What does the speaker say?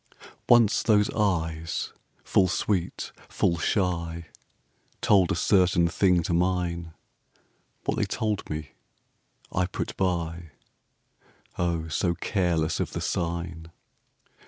Once those eyes, full sweet, full shy, Told a certain thing to mine; What they told me I put by, O, so careless of the sign.